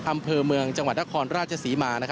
อำเภอเมืองจังหวัดนครราชศรีมา